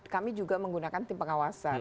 kami juga menggunakan tim pengawasan